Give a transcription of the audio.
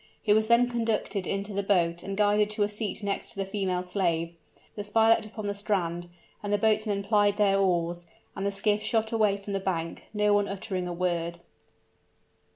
He was then conducted into the boat and guided to a seat next to the female slave. The spy leapt upon the strand, the boatmen plied their oars, and the skiff shot away from the bank, no one uttering a word.